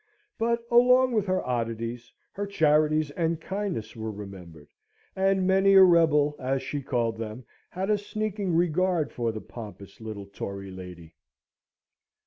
But along with her oddities, her charities and kindness were remembered, and many a rebel, as she called them, had a sneaking regard for the pompous little Tory lady.